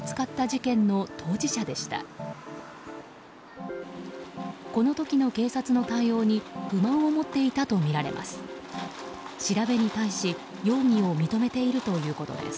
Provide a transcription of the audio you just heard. この時の警察の対応に不満を持っていたとみられます。